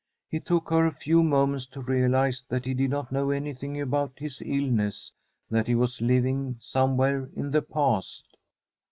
It took her a few moments to realize that he did not know anything about his illness, that he was living somewhere in the past.